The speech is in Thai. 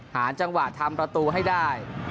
หาจังหวะทำประตูให้ได้